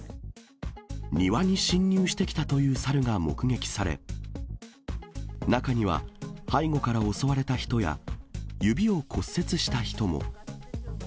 庭に侵入してきたという猿が目撃され、中には、背後から襲われた人や指を骨折した人も。